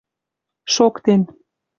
Шоктен.